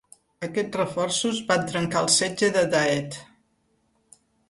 Aquests reforços van trencar el setge de Daet.